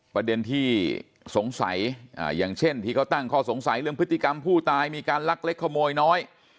ประเด็นที่สงสัยอย่างเช่นที่เขาตั้งข้อสงสัยเรื่องพฤติกรรมผู้ตายมีการลักเล็กขโมยน้อย